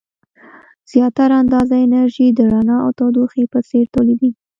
زیاتره اندازه انرژي د رڼا او تودوخې په څیر تولیدیږي.